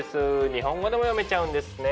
日本語でも読めちゃうんですね。